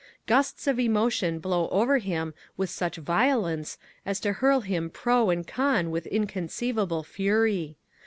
Gusts of emotion blow over him with such violence as to hurl him pro and con with inconceivable fury.